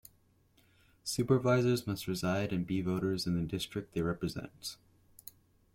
Supervisors must reside and be voters in the district they represent.